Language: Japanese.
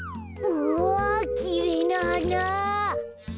うわきれいなはな。